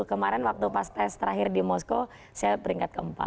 kemarin waktu pas tes terakhir di moskow saya beringkat ke empat